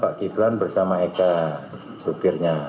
pak ki plan bersama eka supirnya